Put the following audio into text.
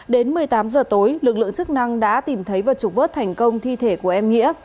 đến một mươi tám h tối lực lượng chức năng đã tìm thấy và trục vớt thành công thi thể của em nghĩa